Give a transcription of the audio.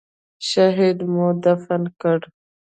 شهيد مو دفن کړ.